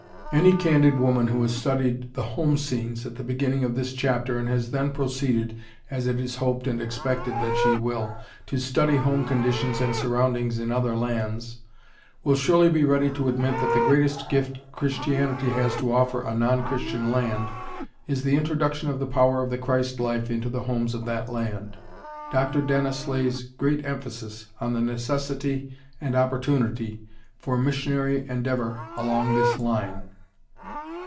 ] Any candid woman who has studied the "home scenes" at the beginning of this chapter and has then proceeded (as it is hoped and expected that she will) to study home conditions and surroundings in other lands, will surely be ready to admit that the greatest gift Christianity has to offer to a non Christian land is the introduction of the power of the Christ life into the homes of that land. Dr. Dennis lays great emphasis on the necessity and opportunity for missionary endeavor along this line.